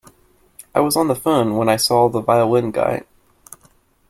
I was on the phone when I saw the violin guy.